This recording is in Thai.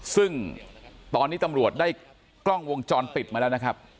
ซึ่งตอนนี้ตำรวจได้กล้องวงจรปิดมาแล้วนะครับ